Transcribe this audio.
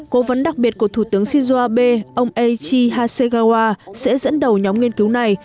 cố vấn đặc biệt của thủ tướng shinzo abe ông echi hasegawa sẽ dẫn đầu nhóm nghiên cứu này